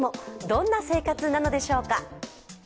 どんな生活なのでしょうか。